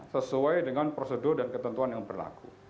sesuai dengan prosedur dan ketentuan yang berlaku